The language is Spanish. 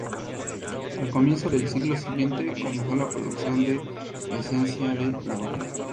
Al comienzo del siglo siguiente comenzó la producción de esencia de lavanda.